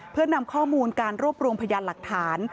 เพื่อนำข้อมูลการรวบรวมพยานหลักฐาน